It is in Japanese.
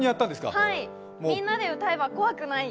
みんなで歌えば怖くない。